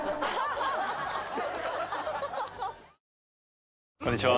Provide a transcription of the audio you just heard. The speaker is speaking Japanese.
わぁこんにちは。